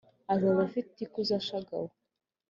Azaza afite ikuzo ashagawe